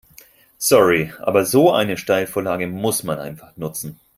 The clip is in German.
Sorry, aber so eine Steilvorlage muss man einfach nutzen.